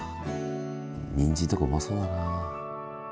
にんじんとかうまそうだな。